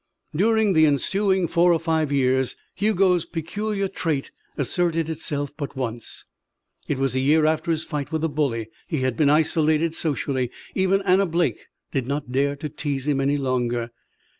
During the ensuing four or five years Hugo's peculiar trait asserted itself but once. It was a year after his fight with the bully. He had been isolated socially. Even Anna Blake did not dare to tease him any longer.